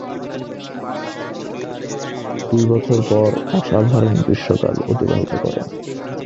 দুই বছর পর অসাধারণ গ্রীষ্মকাল অতিবাহিত করেন।